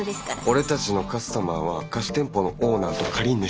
俺たちのカスタマーは貸し店舗のオーナーと借り主。